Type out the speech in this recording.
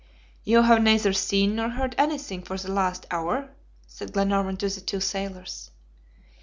"You have neither seen nor heard anything for the last hour?" said Glenarvan to the two sailors.